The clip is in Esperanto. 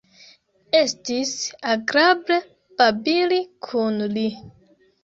Estis agrable babili kun li.